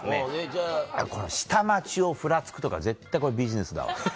この下町をフラつくとか絶対ビジネスだわこれは。